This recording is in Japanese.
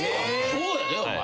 そうやでお前。